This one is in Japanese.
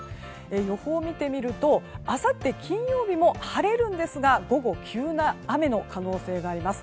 予報を見てみるとあさって金曜日も晴れるんですが、午後急な雨の可能性があります。